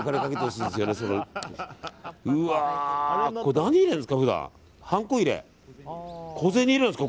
何入れるんですか？